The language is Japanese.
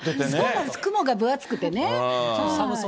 雲が分厚くてね。